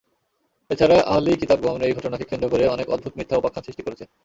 এছাড়া আহলি কিতাবগণ এই ঘটনাকে কেন্দ্র করে অনেক অদ্ভুত মিথ্যা উপাখ্যান সৃষ্টি করেছে।